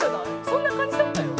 そんな感じだったよ。